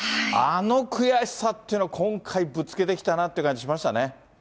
あの悔しさっていうの、今回、ぶつけてきたなって感じしましたね。